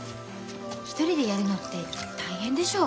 一人でやるのって大変でしょう。